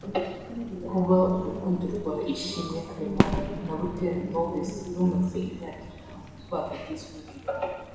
Kuba urukundo rwa Ishimwe Clement na Butera Knowless rumaze imyaka itanu rwaragizwe ibanga